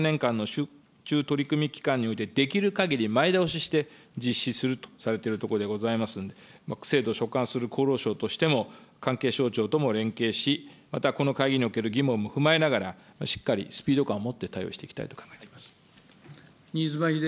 方針案では今後３年間の集中取り組み期間においてできるかぎり前倒しして、実施するとされてるところでございますので、制度を所管する厚労省としても関係省庁とも連携し、またこの会議においても踏まえながら、しっかりスピード感を持って対応していきたいと考えております。